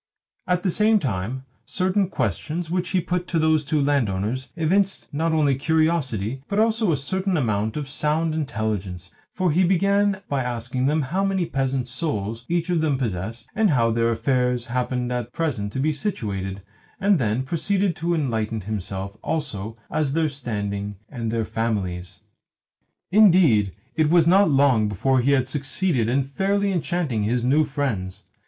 At the same time, certain questions which he put to those two landowners evinced not only curiosity, but also a certain amount of sound intelligence; for he began by asking how many peasant souls each of them possessed, and how their affairs happened at present to be situated, and then proceeded to enlighten himself also as their standing and their families. Indeed, it was not long before he had succeeded in fairly enchanting his new friends.